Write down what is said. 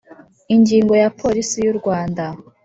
ingingo ya polisi y u rwanda